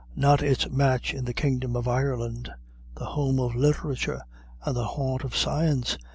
"Not its match in the kingdom of Ireland. The home of literature and the haunt of science.